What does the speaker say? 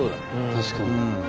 確かに。